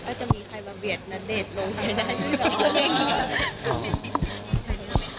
จะมีใครมาเบียดณเดชน์ลงไทยได้ด้วยเหรอ